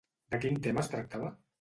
De quin tema es tractava?